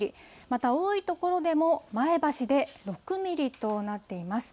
また多い所でも前橋で６ミリとなっています。